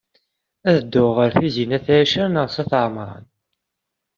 Ad ddunt ɣer Tizi n at Ɛica neɣ s at Ɛemṛan?